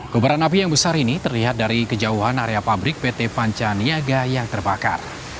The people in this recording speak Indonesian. kobaran api yang besar ini terlihat dari kejauhan area pabrik pt panca niaga yang terbakar